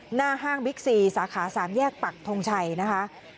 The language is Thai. หน้าห้างบิ๊กซีสาขา๓แยกปักทงชัยนะคะ